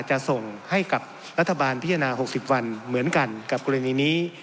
จะส่งให้กับรัฐบาลพิจารณา๖๐วันเหมือนกันกับกรณีนี้